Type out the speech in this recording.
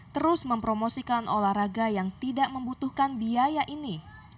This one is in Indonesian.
terus mempromosikan olahraga yang tidak membutuhkan biaya ini